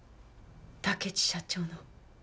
竹地社長の。